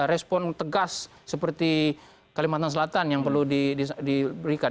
respon tegas seperti kalimantan selatan yang perlu diberikan